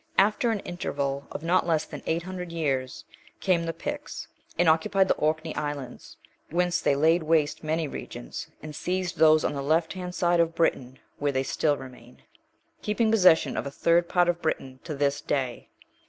After an interval of not less than eight hundred years, came the Picts, and occupied the Orkney Islands: whence they laid waste many regions, and seized those on the left hand side of Britain, where they still remain, keeping possession of a third part of Britain to this day.